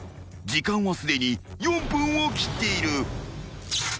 ［時間はすでに４分を切っている］